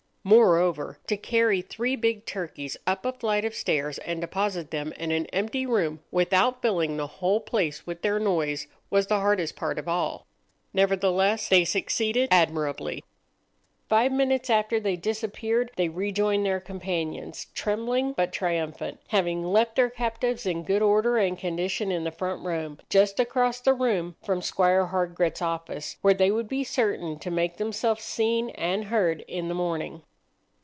Moreover, to carry three big turkeys up a flight of stairs and deposit them in an empty room without filling the whole place with their noise was the hardest part of all. Nevertheless they succeeded admirably. Five minutes after they disappeared they rejoined their companions, trembling but triumphant, having left their captives in good order and condition in the front room, just across the room from Squire Hardgrit's office, where they would be certain to make themselves seen and heard in the morning.